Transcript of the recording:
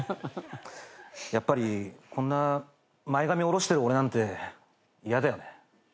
やっぱりこんな前髪下ろしてる俺なんて嫌だよね。